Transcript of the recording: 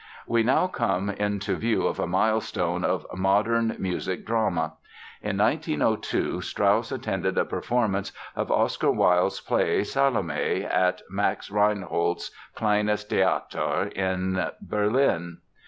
We now come into view of a milestone of modern music drama. In 1902 Strauss attended a performance of Oscar Wilde's play, "Salome", at Max Reinhardt's Kleines Theater in Berlin.